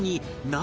何？